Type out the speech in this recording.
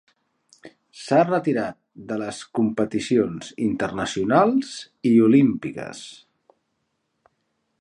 S'ha retirat de les competicions internacionals i olímpiques.